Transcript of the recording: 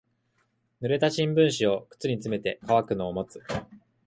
濡れた新聞紙を靴に詰めて乾くのを待つ。